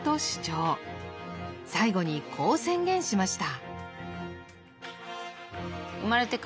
最後にこう宣言しました。